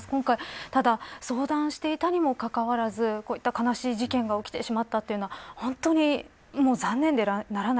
今回、ただ、相談していたにもかかわらず、こういった事件が起きてしまったというのは本当に残念でならない。